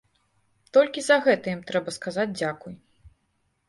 Толькі за гэта ім трэба сказаць дзякуй.